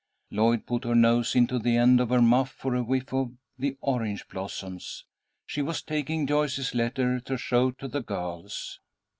Lloyd put her nose into the end of her muff for a whiff of the orange blossoms. She was taking Joyce's letter to show to the girls.